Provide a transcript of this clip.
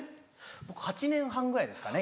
僕８年半ぐらいですかね